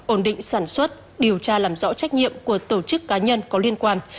ổn định sản xuất điều tra làm rõ trách nhiệm của tổ chức cá nhân có liên quan